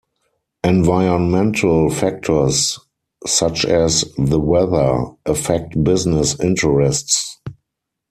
Environmental factors, such as the weather, affect business interests.